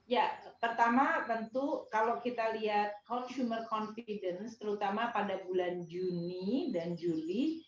ya pertama tentu kalau kita lihat consumer confidence terutama pada bulan juni dan juli